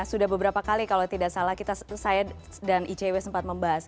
sudah beberapa kali kalau tidak salah saya dan icw sempat membahas